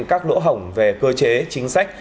các lỗ hổng về cơ chế chính sách